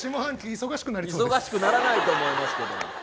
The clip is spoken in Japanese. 忙しくならないと思いますけども。